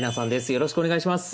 よろしくお願いします。